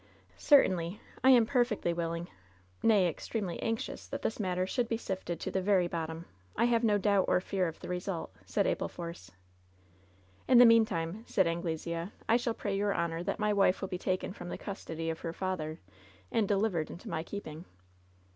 "Certainly. I am perfectly williog, nay, extremely anxious, that this matter should be sifted to the very LOVE'S BITTEREST CUP 116 bottom. I have no doubt or fear of the result," said Abel Force. "In the meantime," said Anglesea, "I shall pray your hionor that my wife will be taken from the custody of her father and delivered into my keeping."